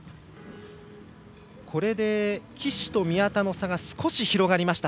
これで岸と宮田の差が少し広がりました。